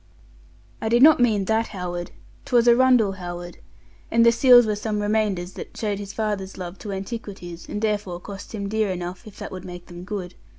I did not mean that Howard. 'Twas Arundel Howard. And the seals were some remainders that showed his father's love to antiquities, and therefore cost him dear enough if that would make them good.